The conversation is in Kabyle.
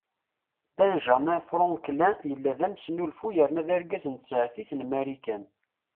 Benjamin Franklin yella d amesnulfu yerna d argaz n tsertit n Marikan.